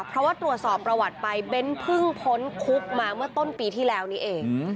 เพราะว่าตรวจสอบประวัติไปเบ้นเพิ่งพ้นคุกมาเมื่อต้นปีที่แล้วนี้เอง